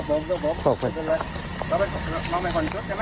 มาก็ไม่ค่อยคอยใจมา